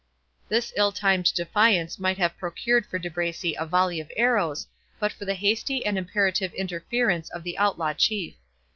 This ill timed defiance might have procured for De Bracy a volley of arrows, but for the hasty and imperative interference of the outlaw Chief.